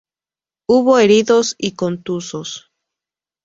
Hubo heridos y contusos.